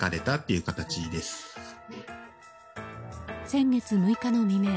先月６日の未明